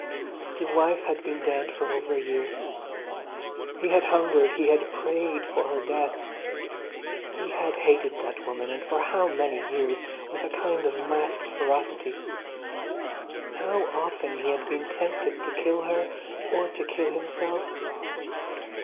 His wife had been dead for over a year. He had hungered, he had prayed for her death. He had hated that woman (and for how many years!) with a kind of masked ferocity. How often he had been tempted to kill her or to kill himself!